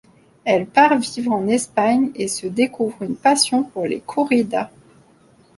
Elle part vivre en Espagne et se découvre une passion pour les corridas.